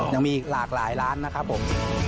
ยังมีอีกหลากหลายร้านนะครับผม